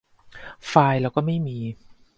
ไฟล์เราก็ไม่มี